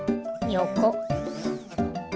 よこ。